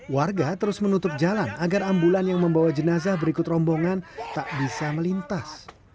warga terus menutup jalan agar ambulan yang membawa jenazah berikut rombongan tak bisa melintas